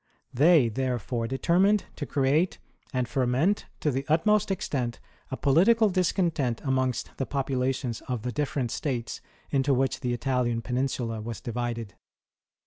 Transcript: They, therefore, determined to create and ferment to the utmost extent a political discontent amongst the populations of the different states into which the Italian Peninsula was divided.